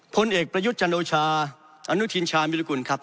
พลเอกประยุทธ์จันโอชาอนุทินชามิรกุลครับ